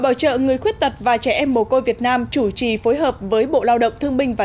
bảo trợ người khuyết tật và trẻ em mồ côi việt nam chủ trì phối hợp với bộ lao động thương minh và